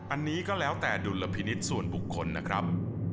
อันนี้ก็แล้วแต่ดุลพินิษฐ์ส่วนบุคคลนะครับ